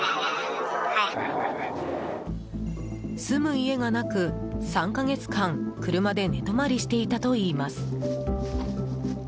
住む家がなく、３か月間車で寝泊まりしていたといいます。